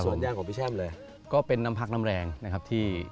ผมก็มีธุรกิจเรื่องของอพาร์ทเม้นอยู่ที่กรุงเทพ